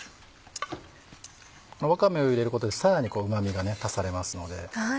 わかめを入れることでさらにうま味が足されますので。